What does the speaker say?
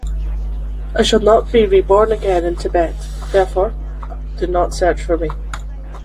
I shall not be reborn again in Tibet, therefore do not search for me.